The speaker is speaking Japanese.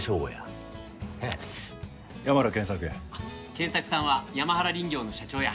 賢作さんは山原林業の社長や。